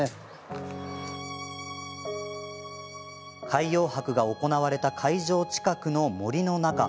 海洋博が行われた会場近くの森の中。